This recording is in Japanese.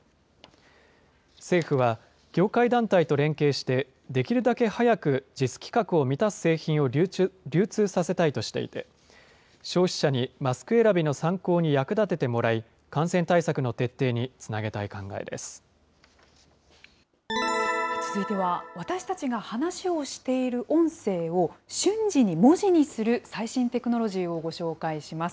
政府は業界団体と連携して、できるだけ早くＪＩＳ規格を満たす製品を流通させたいとしていて、消費者にマスク選びの参考に役立ててもらい、感染対策の徹底につ続いては、私たちが話をしている音声を瞬時に文字にする最新テクノロジーをご紹介します。